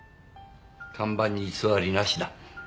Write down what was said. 看板に偽りなしだ。